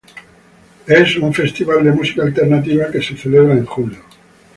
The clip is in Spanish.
Es un festival de música alternativa que se celebra en julio.